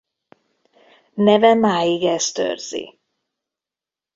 Neve máig ezt őrzi.